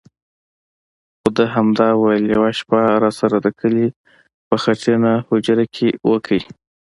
خو ده همدا ویل: یوه شپه راسره د کلي په خټینه هوجره کې وکړئ.